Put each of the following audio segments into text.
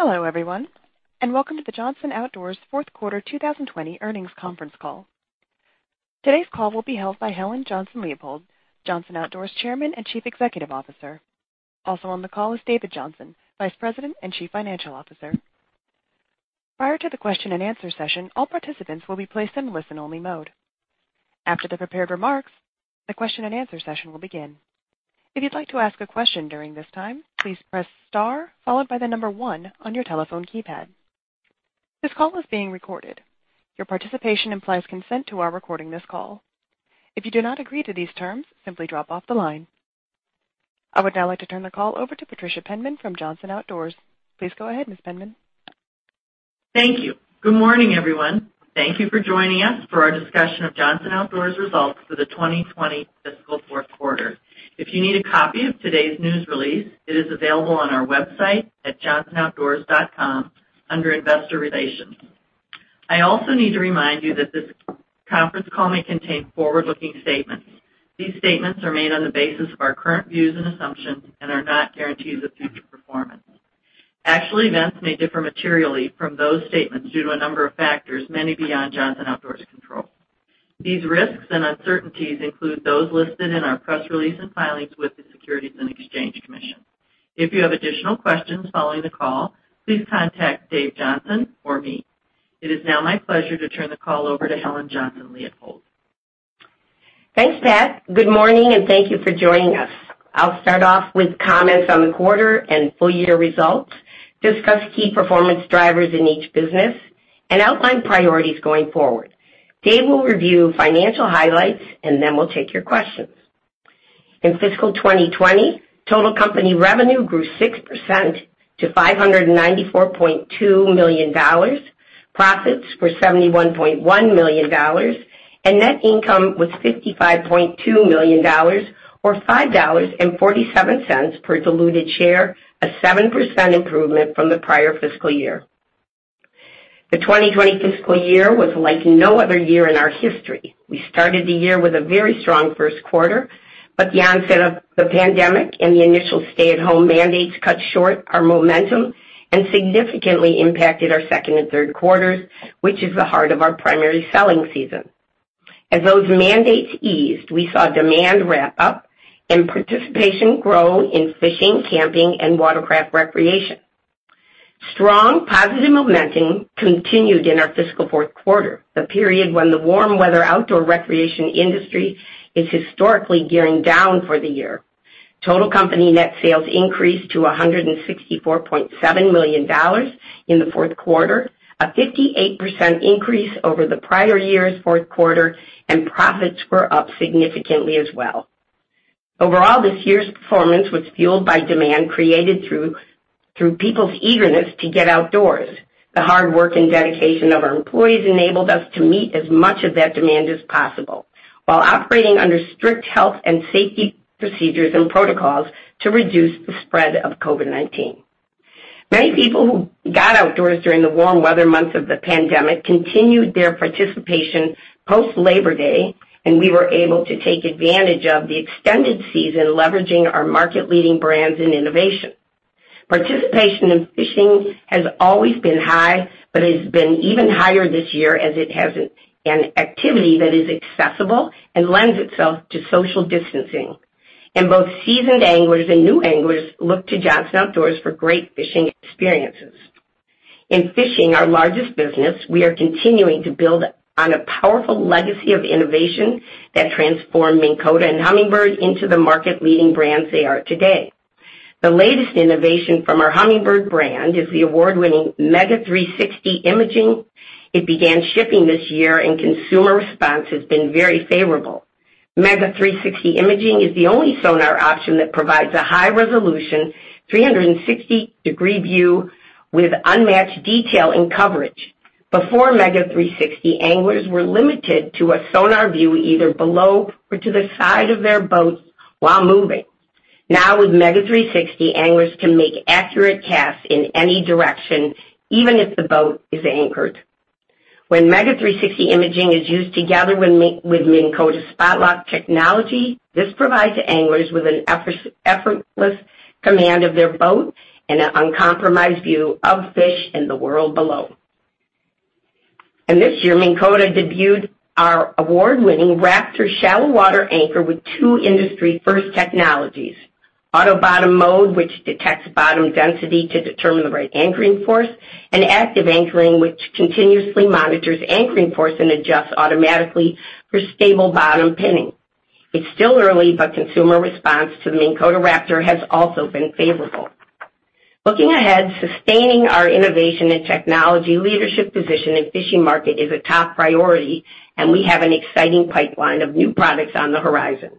Hello, everyone, and welcome to the Johnson Outdoors fourth quarter 2020 earnings conference call. Today's call will be held by Helen Johnson-Leipold, Johnson Outdoors Chairman and Chief Executive Officer. Also on the call is David Johnson, Vice President and Chief Financial Officer. Prior to the question and answer session, all participants will be placed in listen-only mode. After the prepared remarks, the question and answer session will begin. If you'd like to ask a question during this time, please press star followed by the number one on your telephone keypad. This call is being recorded. Your participation implies consent to our recording this call. If you do not agree to these terms, simply drop off the line. I would now like to turn the call over to Patricia Penman from Johnson Outdoors. Please go ahead, Ms. Penman. Thank you. Good morning, everyone. Thank you for joining us for our discussion of Johnson Outdoors results for the 2020 fiscal fourth quarter. If you need a copy of today's news release, it is available on our website at johnsonoutdoors.com under Investor Relations. I also need to remind you that this conference call may contain forward-looking statements. These statements are made on the basis of our current views and assumptions and are not guarantees of future performance. Actual events may differ materially from those statements due to a number of factors, many beyond Johnson Outdoors' control. These risks and uncertainties include those listed in our press release and filings with the Securities and Exchange Commission. If you have additional questions following the call, please contact Dave Johnson or me. It is now my pleasure to turn the call over to Helen Johnson-Leipold. Thanks, Pat. Good morning, and thank you for joining us. I'll start off with comments on the quarter and full-year results, discuss key performance drivers in each business, and outline priorities going forward. Dave will review financial highlights, and then we'll take your questions. In fiscal 2020, total company revenue grew 6% to $594.2 million. Profits were $71.1 million, and net income was $55.2 million or $5.47 per diluted share, a 7% improvement from the prior fiscal year. The 2020 fiscal year was like no other year in our history. We started the year with a very strong first quarter, but the onset of the pandemic and the initial stay-at-home mandates cut short our momentum and significantly impacted our second and third quarters, which is the heart of our primary selling season. As those mandates eased, we saw demand ramp up and participation grow in fishing, camping, and watercraft recreation. Strong positive momentum continued in our fiscal fourth quarter, the period when the warm weather outdoor recreation industry is historically gearing down for the year. Total company net sales increased to $164.7 million in the fourth quarter, a 58% increase over the prior year's fourth quarter, and profits were up significantly as well. Overall, this year's performance was fueled by demand created through people's eagerness to get outdoors. The hard work and dedication of our employees enabled us to meet as much of that demand as possible while operating under strict health and safety procedures and protocols to reduce the spread of COVID-19. Many people who got outdoors during the warm weather months of the pandemic continued their participation post-Labor Day, and we were able to take advantage of the extended season, leveraging our market-leading brands and innovation. Participation in fishing has always been high, but it has been even higher this year as it is an activity that is accessible and lends itself to social distancing. Both seasoned anglers and new anglers look to Johnson Outdoors for great fishing experiences. In fishing, our largest business, we are continuing to build on a powerful legacy of innovation that transformed Minn Kota and Humminbird into the market-leading brands they are today. The latest innovation from our Humminbird brand is the award-winning MEGA 360 Imaging. It began shipping this year, and consumer response has been very favorable. MEGA 360 Imaging is the only sonar option that provides a high-resolution 360-degree view with unmatched detail and coverage. Before MEGA 360, anglers were limited to a sonar view either below or to the side of their boats while moving. With MEGA 360, anglers can make accurate casts in any direction, even if the boat is anchored. When MEGA 360 Imaging is used together with Minn Kota's Spot-Lock technology, this provides anglers with an effortless command of their boat and an uncompromised view of fish and the world below. This year, Minn Kota debuted our award-winning Raptor Shallow Water Anchor with two industry-first technologies: Auto-Bottom Mode, which detects bottom density to determine the right anchoring force, and Active Anchoring, which continuously monitors anchoring force and adjusts automatically for stable bottom pinning. It's still early, consumer response to the Minn Kota Raptor has also been favorable. Looking ahead, sustaining our innovation and technology leadership position in fishing market is a top priority, we have an exciting pipeline of new products on the horizon.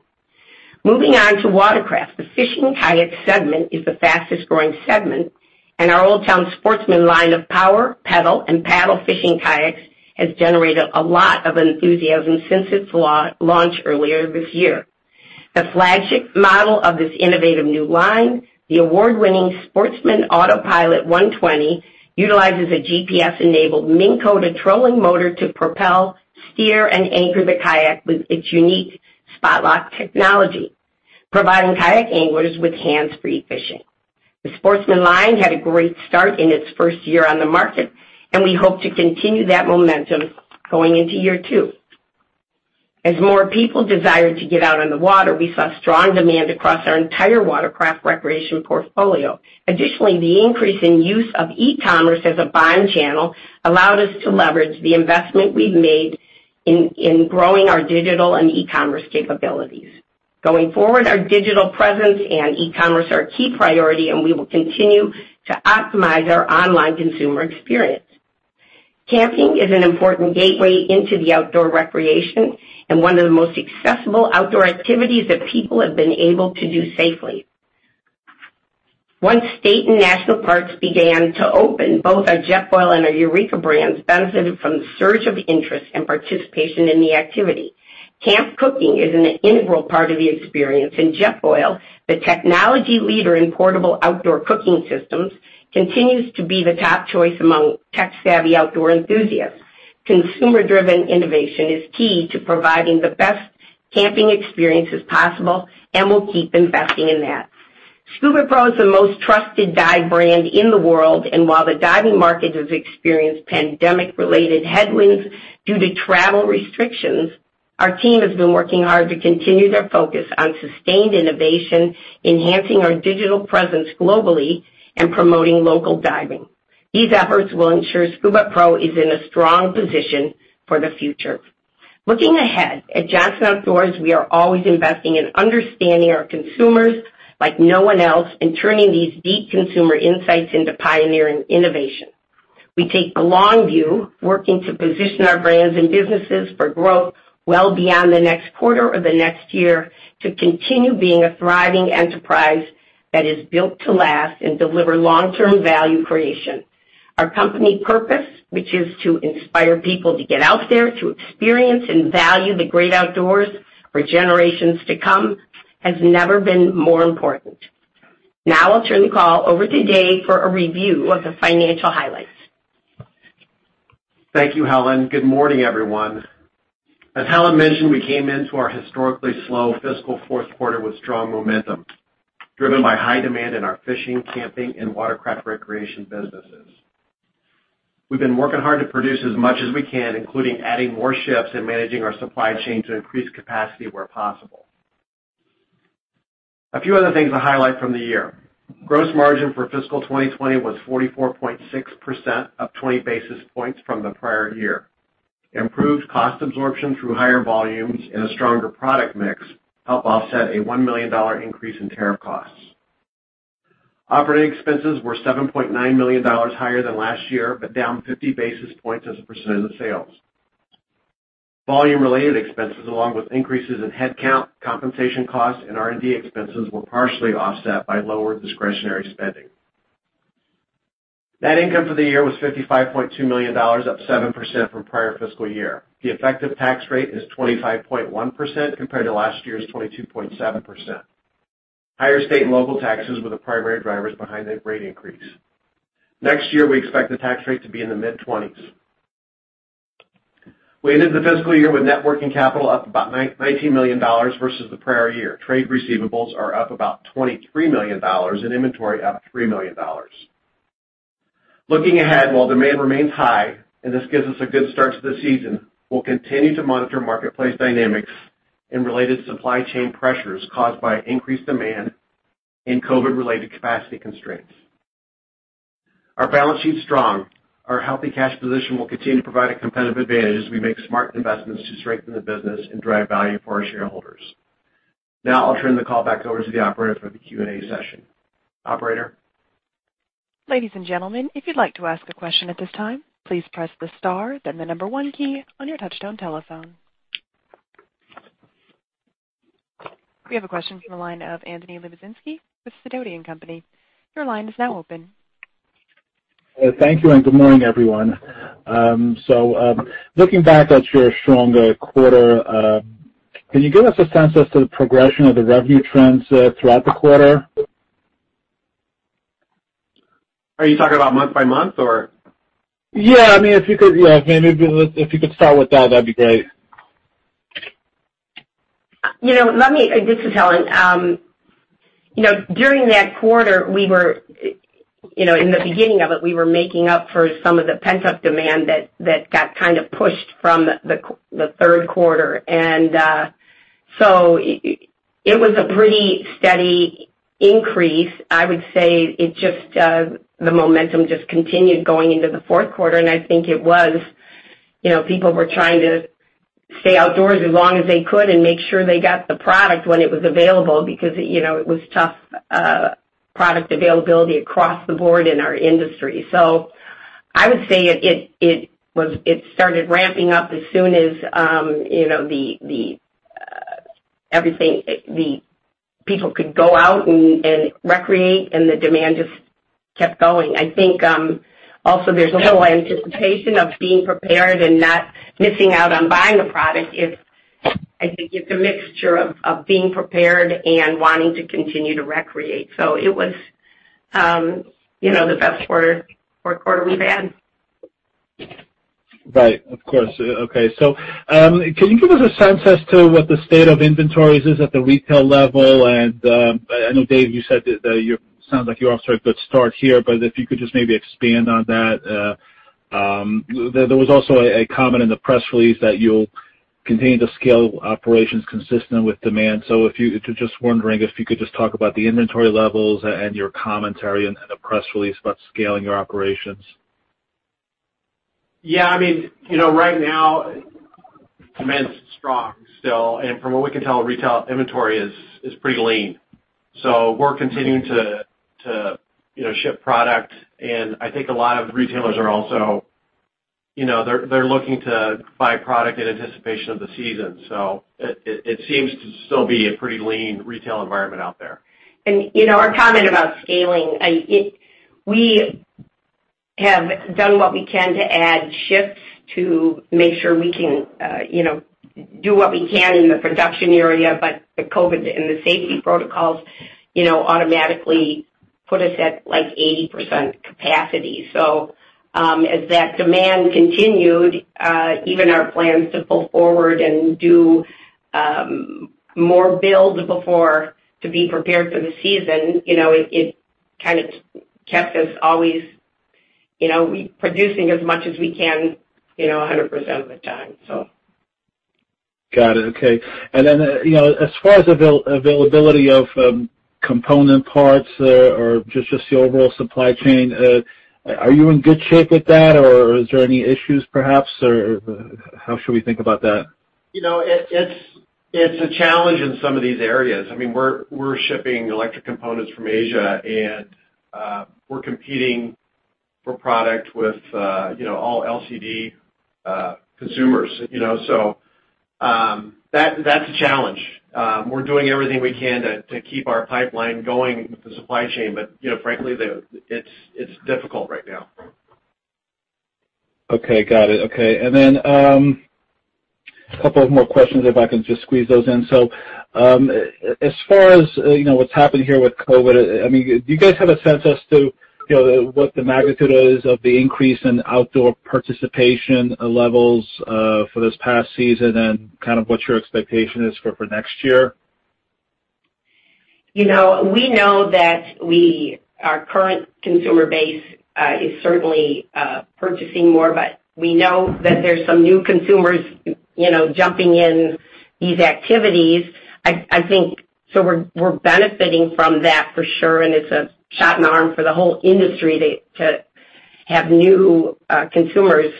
Moving on to watercraft. The fishing kayak segment is the fastest-growing segment. Our Old Town Sportsman line of power, pedal, and paddle fishing kayaks has generated a lot of enthusiasm since its launch earlier this year. The flagship model of this innovative new line, the award-winning Sportsman AutoPilot 120, utilizes a GPS-enabled Minn Kota trolling motor to propel, steer, and anchor the kayak with its unique Spot-Lock technology, providing kayak anglers with hands-free fishing. The Sportsman line had a great start in its first year on the market. We hope to continue that momentum going into year two. As more people desired to get out on the water, we saw strong demand across our entire Watercraft Recreation portfolio. Additionally, the increase in use of e-commerce as a buying channel allowed us to leverage the investment we've made in growing our digital and e-commerce capabilities. Going forward, our digital presence and e-commerce are a key priority, and we will continue to optimize our online consumer experience. Camping is an important gateway into the outdoor recreation and one of the most accessible outdoor activities that people have been able to do safely. Once state and national parks began to open, both our Jetboil and our Eureka brands benefited from the surge of interest and participation in the activity. Camp cooking is an integral part of the experience, and Jetboil, the technology leader in portable outdoor cooking systems, continues to be the top choice among tech-savvy outdoor enthusiasts. Consumer-driven innovation is key to providing the best camping experiences possible, and we'll keep investing in that. SCUBAPRO is the most trusted dive brand in the world, and while the diving market has experienced pandemic-related headwinds due to travel restrictions, our team has been working hard to continue their focus on sustained innovation, enhancing our digital presence globally, and promoting local diving. These efforts will ensure SCUBAPRO is in a strong position for the future. Looking ahead, at Johnson Outdoors, we are always investing in understanding our consumers like no one else and turning these deep consumer insights into pioneering innovation. We take the long view, working to position our brands and businesses for growth well beyond the next quarter or the next year to continue being a thriving enterprise that is built to last and deliver long-term value creation. Our company purpose, which is to inspire people to get out there, to experience and value the great outdoors for generations to come, has never been more important. Now I'll turn the call over to Dave for a review of the financial highlights. Thank you, Helen. Good morning, everyone. As Helen mentioned, we came into our historically slow fiscal fourth quarter with strong momentum, driven by high demand in our fishing, camping, and Watercraft Recreation businesses. We've been working hard to produce as much as we can, including adding more shifts and managing our supply chain to increase capacity where possible. A few other things to highlight from the year. Gross margin for fiscal 2020 was 44.6%, up 20 basis points from the prior year. Improved cost absorption through higher volumes and a stronger product mix help offset a $1 million increase in tariff costs. Operating expenses were $7.9 million higher than last year, but down 50 basis points as a percentage of sales. Volume-related expenses, along with increases in headcount, compensation costs, and R&D expenses, were partially offset by lower discretionary spending. Net income for the year was $55.2 million, up 7% from prior fiscal year. The effective tax rate is 25.1% compared to last year's 22.7%. Higher state and local taxes were the primary drivers behind that rate increase. Next year, we expect the tax rate to be in the mid-20s. We ended the fiscal year with net working capital up about $19 million versus the prior year. Trade receivables are up about $23 million and inventory up $3 million. Looking ahead, while demand remains high, and this gives us a good start to the season, we'll continue to monitor marketplace dynamics and related supply chain pressures caused by increased demand and COVID-related capacity constraints. Our balance sheet's strong. Our healthy cash position will continue to provide a competitive advantage as we make smart investments to strengthen the business and drive value for our shareholders. Now I'll turn the call back over to the operator for the Q&A session. Operator? Ladies and gentlemen, if you'd like to ask a question at this time, please press the star, then the number one key on your touch-tone telephone. We have a question from the line of Anthony Lebiedzinski with Sidoti & Company. Your line is now open. Thank you, and good morning, everyone. Looking back at your stronger quarter, can you give us a sense as to the progression of the revenue trends throughout the quarter? Are you talking about month by month, or? Yeah. If you could start with that'd be great. This is Helen. During that quarter, in the beginning of it, we were making up for some of the pent-up demand that got kind of pushed from the third quarter. It was a pretty steady increase. I would say the momentum just continued going into the fourth quarter, and I think it was people were trying to stay outdoors as long as they could and make sure they got the product when it was available because it was tough product availability across the board in our industry. I would say it started ramping up as soon as the people could go out and recreate, and the demand just kept going. I think also there's a little anticipation of being prepared and not missing out on buying a product. I think it's a mixture of being prepared and wanting to continue to recreate. It was the best fourth quarter we've had. Right. Of course. Okay. Can you give us a sense as to what the state of inventories is at the retail level? I know, Dave, you said that it sounds like you're off to a good start here, but if you could just maybe expand on that. There was also a comment in the press release that you'll continue to scale operations consistent with demand. Just wondering if you could just talk about the inventory levels and your commentary in the press release about scaling your operations. Right now demand's strong still, and from what we can tell, retail inventory is pretty lean. We're continuing to ship product, and I think a lot of retailers are also looking to buy product in anticipation of the season. It seems to still be a pretty lean retail environment out there. Our comment about scaling, we have done what we can to add shifts to make sure we can do what we can in the production area, but the COVID and the safety protocols automatically put us at 80% capacity. As that demand continued, even our plans to pull forward and do more builds before to be prepared for the season, it kind of kept us always producing as much as we can 100% of the time. Got it. Okay. As far as availability of component parts or just the overall supply chain, are you in good shape with that, or are there any issues perhaps, or how should we think about that? It's a challenge in some of these areas. We're shipping electric components from Asia, and we're competing for product with all LCD consumers. That's a challenge. We're doing everything we can to keep our pipeline going with the supply chain. Frankly, it's difficult right now. Okay. Got it. Okay. A couple of more questions if I can just squeeze those in. As far as what's happened here with COVID, do you guys have a sense as to what the magnitude is of the increase in outdoor participation levels for this past season and kind of what your expectation is for next year? We know that our current consumer base is certainly purchasing more, but we know that there's some new consumers jumping in these activities. We're benefiting from that for sure, and it's a shot in the arm for the whole industry to have new consumers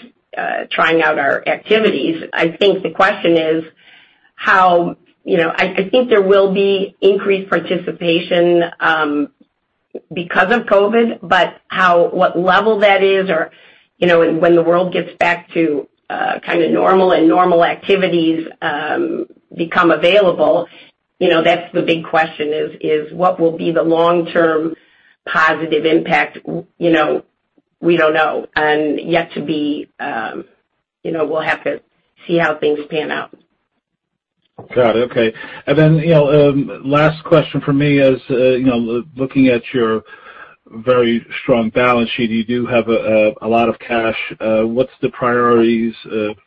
trying out our activities. I think there will be increased participation because of COVID, but what level that is or when the world gets back to kind of normal and normal activities become available, that's the big question is what will be the long-term positive impact? We don't know. We'll have to see how things pan out. Got it. Okay. Last question from me is, looking at your very strong balance sheet, you do have a lot of cash. What's the priorities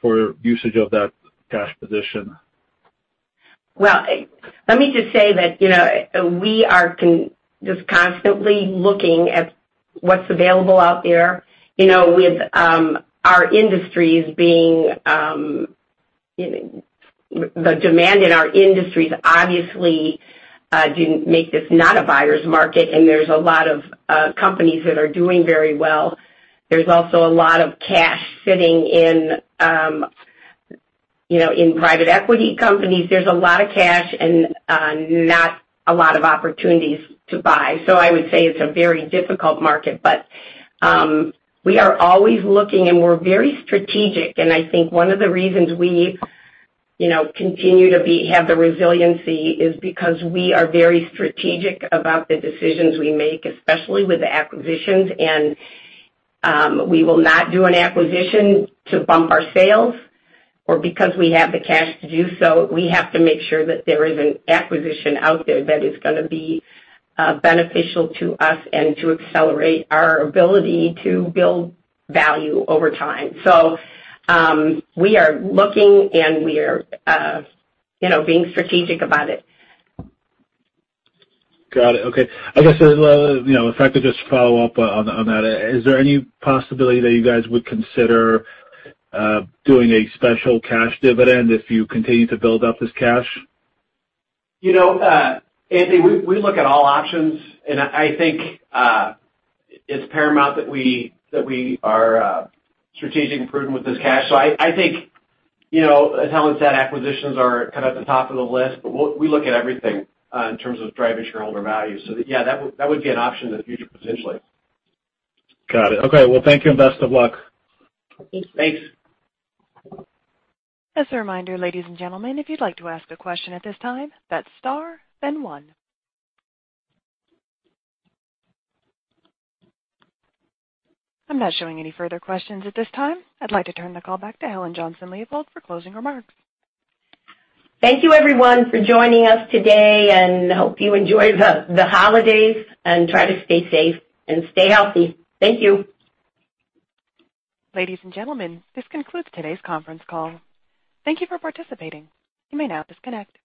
for usage of that cash position? Well, let me just say that we are just constantly looking at what's available out there. The demand in our industries obviously didn't make this not a buyer's market, and there's a lot of companies that are doing very well. There's also a lot of cash sitting in private equity companies. There's a lot of cash and not a lot of opportunities to buy. I would say it's a very difficult market. We are always looking, and we're very strategic, and I think one of the reasons we continue to have the resiliency is because we are very strategic about the decisions we make, especially with acquisitions, and we will not do an acquisition to bump our sales or because we have the cash to do so. We have to make sure that there is an acquisition out there that is going to be beneficial to us and to accelerate our ability to build value over time. We are looking, and we are being strategic about it. Got it. Okay. I guess if I could just follow up on that, is there any possibility that you guys would consider doing a special cash dividend if you continue to build up this cash? Anthony, we look at all options, and I think it's paramount that we are strategic and prudent with this cash. As Helen said, acquisitions are kind of at the top of the list, but we look at everything in terms of driving shareholder value. Yeah, that would be an option in the future potentially. Got it. Okay. Well, thank you and best of luck. Thank you. Thanks. As a reminder, ladies and gentlemen, if you'd like to ask a question at this time, that's star then one. I'm not showing any further questions at this time. I'd like to turn the call back to Helen Johnson-Leipold for closing remarks. Thank you everyone for joining us today, and hope you enjoy the holidays and try to stay safe and stay healthy. Thank you. Ladies and gentlemen, this concludes today's conference call. Thank you for participating. You may now disconnect.